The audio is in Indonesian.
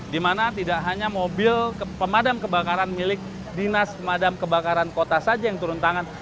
di mana tidak hanya mobil pemadam kebakaran milik dinas pemadam kebakaran kota saja yang turun tangan